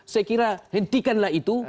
saya kira hentikanlah itu